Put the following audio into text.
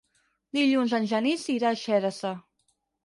Dilluns en Genís irà a Xeresa.